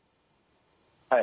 はい。